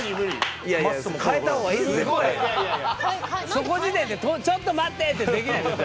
その時点で「ちょっと待って」ってできる。